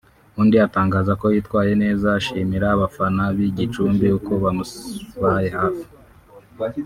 undi atangaza ko yitwaye neza ashimira abafana b’i Gicumbi uko bamubaye hafi